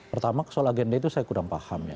pertama soal agenda itu saya kurang paham ya